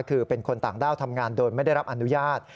คือเป็นคนต่างด้าวทำงานโดยไม่ได้รับอนุญาต